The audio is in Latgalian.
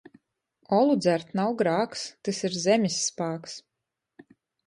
Olu dzert nav grāks – tys ir zemis spāks.